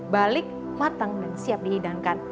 balik matang dan siap dihidangkan